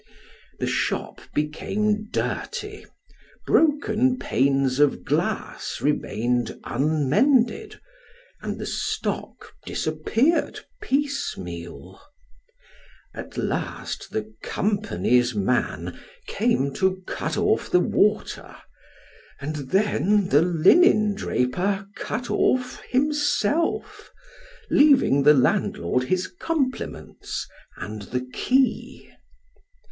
The shop became dirty, broken panes of glass remained unmended, and the stock disappeared piecemeal. At last 46 Sketches by Boz. the company's man caine to cut off the water, and then the linen draper cut off himself, leaving the landlord his compliments and the key.